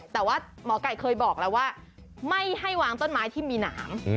แต่ว่าหมอไก่เคยบอกแล้วว่าไม่ให้วางต้นไม้ที่มีหนาม